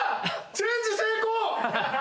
チェンジ成功！